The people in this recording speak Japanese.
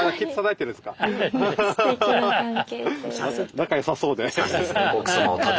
仲良さそうで。